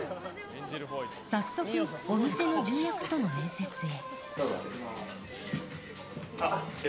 早速、お店の重役との面接へ。